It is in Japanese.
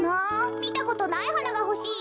みたことないはながほしいな。